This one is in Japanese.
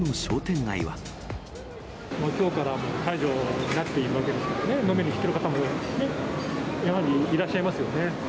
きょうから解除になっているので、飲みに来てる方もやはりいらっしゃいますよね。